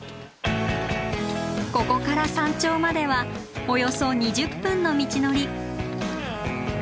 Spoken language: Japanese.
ここから山頂まではおよそ２０分の道のり。